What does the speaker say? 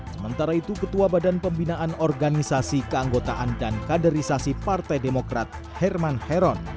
sementara itu ketua badan pembinaan organisasi keanggotaan dan kaderisasi partai demokrat herman heron